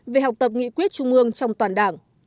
về học tập nghị quyết trung ương trong toàn đảng